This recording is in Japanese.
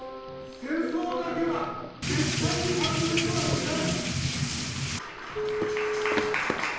戦争だけは絶対にはじめてはいけない。